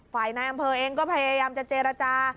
นายอำเภอเองก็พยายามจะเจรจา